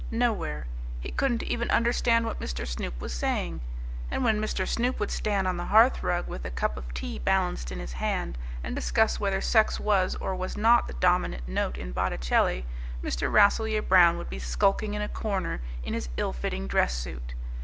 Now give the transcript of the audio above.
Nowhere. He couldn't even understand what Mr. Snoop was saying. And when Mr. Snoop would stand on the hearth rug with a cup of tea balanced in his hand, and discuss whether sex was or was not the dominant note in Botticelli, Mrs. Rasselyer Brown would be skulking in a corner in his ill fitting dress suit.